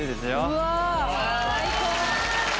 うわあ！最高！